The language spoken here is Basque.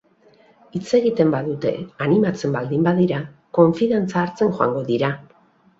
Hitz egiten badute, animatzen baldin badira, konfidantza hartzen joango dira.